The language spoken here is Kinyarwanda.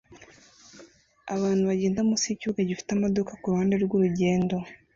abantu bagenda munsi yikibuga gifite amaduka kuruhande rwurugendo